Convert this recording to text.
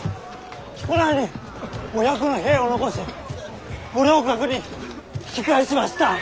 木古内に５００の兵を残し五稜郭に引き返しました。